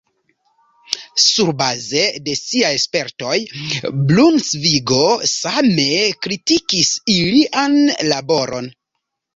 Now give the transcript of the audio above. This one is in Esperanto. Surbaze de siaj spertoj, Brunsvigo same kritikis ilian laboron.